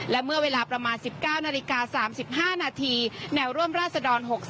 และเมื่อเวลาประมาณสิบเก้านาฬิกาสามสิบห้านาทีแนวร่วมราศดร๖๓